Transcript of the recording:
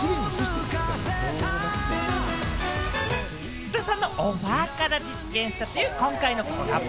菅田さんのオファーから実現したという今回のコラボ。